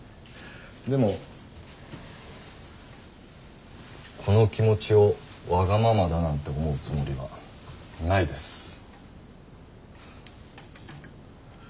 でもこの気持ちをワガママだなんて思うつもりはないです。